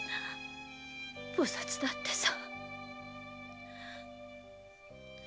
菩薩だってさ。